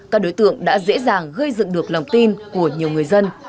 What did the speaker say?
các đối tượng đã dễ dàng gây dựng được lòng tin của nhiều người dân